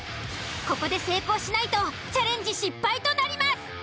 ここで成功しないとチャレンジ失敗となります。